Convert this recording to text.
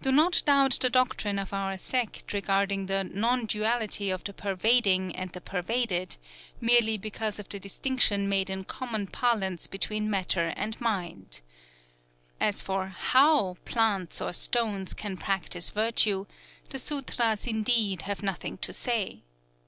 Do not doubt the doctrine of our sect, regarding the Non Duality of the Pervading and the Pervaded, merely because of the distinction made in common parlance between Matter and Mind." As for how plants or stones can practise virtue, the sûtras indeed have nothing to say.